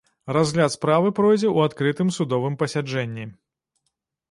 Разгляд справы пройдзе ў адкрытым судовым пасяджэнні.